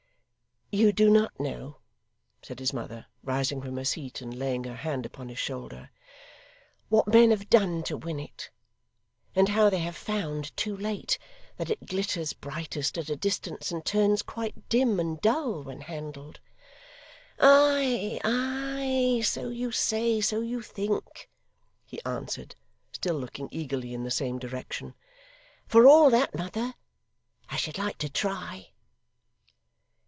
'You do not know,' said his mother, rising from her seat and laying her hand upon his shoulder, 'what men have done to win it, and how they have found, too late, that it glitters brightest at a distance, and turns quite dim and dull when handled.' 'Ay, ay; so you say; so you think,' he answered, still looking eagerly in the same direction. 'For all that, mother, I should like to try.